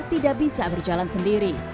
tidak bisa berjalan sendiri